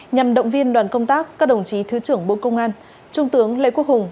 nhằm động viên đoàn công tác các đồng chí thứ trưởng bộ công an trung tướng lê quốc hùng